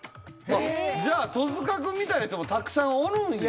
じゃあ戸塚君みたいな人もたくさんおるんや。